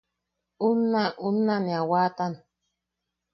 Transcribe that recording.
Unna unna ne a waatan...